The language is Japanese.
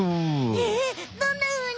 えっどんなふうに？